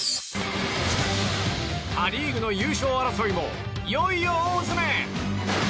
パ・リーグの優勝争いもいよいよ大詰め。